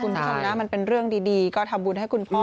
คุณผู้ชมนะมันเป็นเรื่องดีก็ทำบุญให้คุณพ่อ